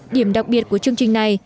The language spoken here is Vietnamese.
điểm đặc biệt của chương trình này